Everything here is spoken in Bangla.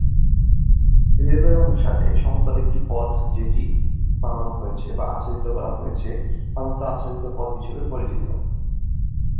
রেলওয়ে অনুসারে, সমতল একটি পথ যেটি বানানো হয়েছে বা আচ্ছাদিত করা হয়েছে সাধারণত "আচ্ছাদিত পথ" হিসেবে পরিচিত।